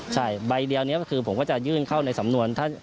ใช่ใบเดียวนี้คือผมก็จะยื่นเข้าในสำนวน